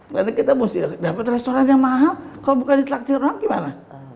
karena kita mesti dapat restoran yang mahal kalau bukan di traktir orang gimana